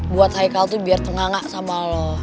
buat haikal tuh biar tengang tengah sama lo